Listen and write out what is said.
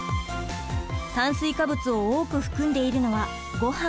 炭水化物を多く含んでいるのはごはん。